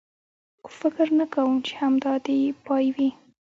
خو فکر نه کوم، چې همدا دی یې پای وي.